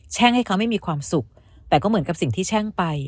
่งให้เขาไม่มีความสุขแต่ก็เหมือนกับสิ่งที่แช่งไป